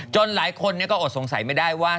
หลายคนก็อดสงสัยไม่ได้ว่า